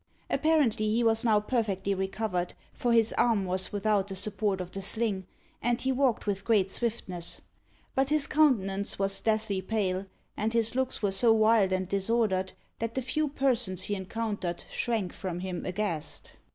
Apparently he was now perfectly recovered, for his arm was without the support of the sling, and he walked with great swiftness. But his countenance was deathly pale, and his looks were so wild and disordered, that the few persons he encountered shrank from him aghast.